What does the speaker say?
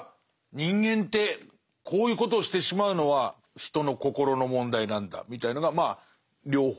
人間ってこういうことをしてしまうのは人の心の問題なんだみたいのがまあ両方流れてる。